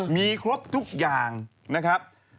มีครบทุกอย่างนะครับ